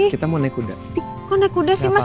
kita mau naik kuda kok naik kuda sih mas